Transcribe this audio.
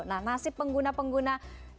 nah nasib pengguna pengguna